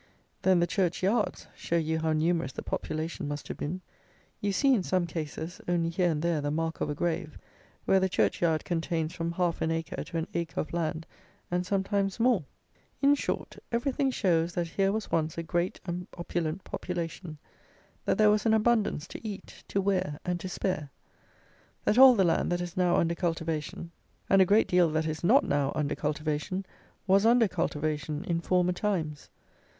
Then the church yards show you how numerous the population must have been. You see, in some cases, only here and there the mark of a grave, where the church yard contains from half an acre to an acre of land, and sometimes more. In short, everything shows that here was once a great and opulent population; that there was an abundance to eat, to wear, and to spare; that all the land that is now under cultivation, and a great deal that is not now under cultivation, was under cultivation in former times.